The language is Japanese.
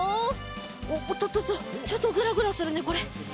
おっとっとっとちょっとぐらぐらするねこれ。